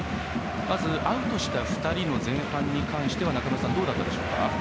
まずアウトした２人の前半に関しては中村さん、どうでしたか？